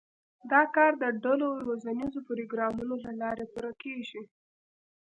دا کار د ډلو روزنیزو پروګرامونو له لارې پوره کېږي.